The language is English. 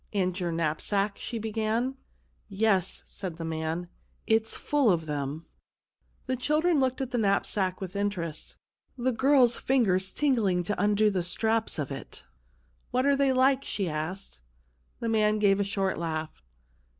" And your knapsack ?" she began. "Yes," said the man, " it's full of them." The children looked at the knapsack with interest, the girl's fingers tingling to undo the straps of it. " What are they like ?" she asked. The man gave a short laugh.